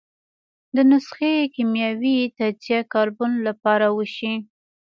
د نسخې کیمیاوي تجزیه کاربن له پاره وشي.